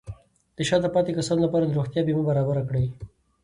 د شاته پاتې کسانو لپاره د روغتیا بیمه برابر کړئ.